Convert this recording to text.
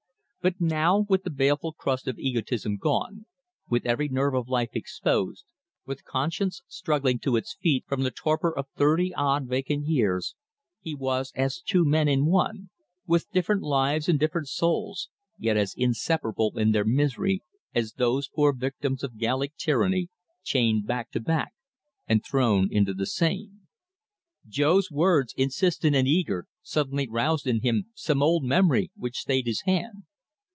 But now, with the baleful crust of egotism gone, with every nerve of life exposed, with conscience struggling to its feet from the torpor of thirty odd vacant years, he was as two men in one, with different lives and different souls, yet as inseparable in their misery as those poor victims of Gallic tyranny, chained back to back and thrown into the Seine. Jo's words, insistent and eager, suddenly roused in him some old memory, which stayed his hand.